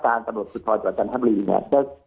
การตำรวจสุดท้อยต่างจากฐานท๑๐๐๐หรือ